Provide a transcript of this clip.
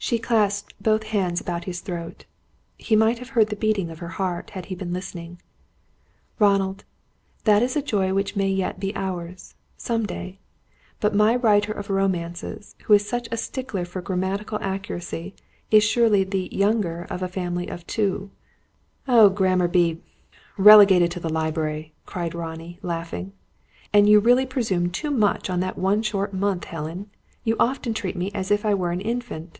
She clasped both hands about his throat. He might have heard the beating of her heart had he been listening. "Ronald, that is a joy which may yet be ours some day. But my writer of romances, who is such a stickler for grammatical accuracy, is surely the younger of a family of two!" "Oh, grammar be relegated to the library!" cried Ronnie, laughing. "And you really presume too much on that one short month, Helen. You often treat me as if I were an infant."